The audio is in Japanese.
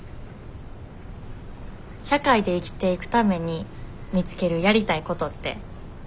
社会で生きていくために見つけるやりたいことって難しいよね。